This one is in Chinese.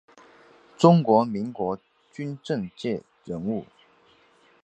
中华民国军政界人物。